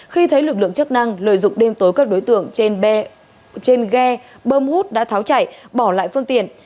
khi thấy lực lượng chức năng lợi dụng đêm tối các đối tượng trên ghe bơm hút đã tháo chạy bỏ lại phương tiện